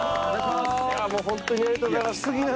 いやもう本当にありがとうございます。